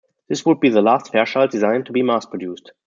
This would be the last Fairchild design to be mass-produced.